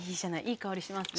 いい香りしますね。